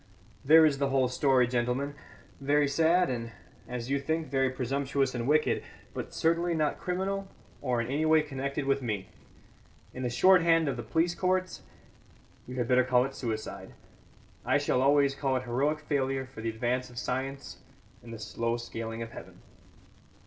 There is the whole story, gentlemen, very sad and, as you think, very presumptuous and wicked, but certainly not criminal or in any way connected with me. In the short hand of the police courts, you had better call it suicide. I shall always call it heroic failure for the advance of science and the slow scaling of heaven."